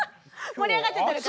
盛り上がっちゃってるから。